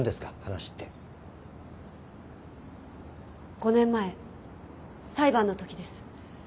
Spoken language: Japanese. ５年前裁判のときです。